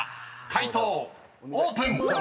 ［解答オープン！］